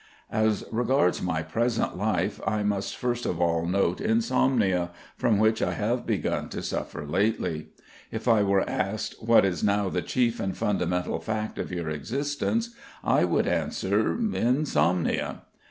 As regards my present life, I must first of all note insomnia, from which I have begun to suffer lately. If I were asked: "What is now the chief and fundamental fact of your existence?" I would answer: "Insomnia."